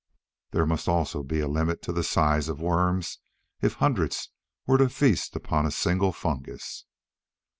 There must also be a limit to the size of worms if hundreds were to feast upon a single fungus.